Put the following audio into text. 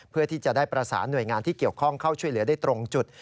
เพื่อที่จะได้ประสานหน่วยงานที่เกี่ยวข้องเข้าช่วยเหลือได้ตรงจุด